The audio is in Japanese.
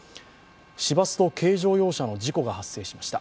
市バスと軽乗用車の事故が発生しました。